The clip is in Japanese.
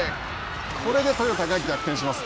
これでトヨタが逆転します。